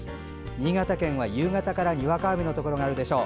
新潟県は夕方からにわか雨のところがあるでしょう。